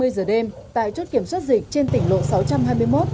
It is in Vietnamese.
hai mươi giờ đêm tại chốt kiểm soát dịch trên tỉnh lộ sáu trăm hai mươi một